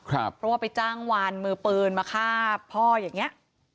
เพราะว่าไปจ้างวานมือปืนมาฆ่าพ่ออย่างนี้